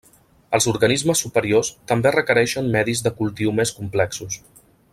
Els organismes superiors també requereixen medis de cultiu més complexos.